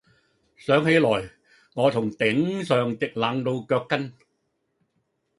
想起來，我從頂上直冷到腳跟。